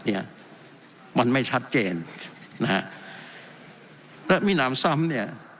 เนี่ยมันไม่ชัดเจนนะฮะและมีหนามซ้ำเนี่ย